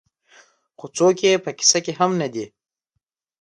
خو څوک یې په کيسه کې هم نه دي.